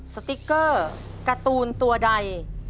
สติ๊กเกอร์การ์ตูนตัวใด